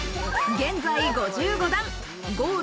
現在５５段。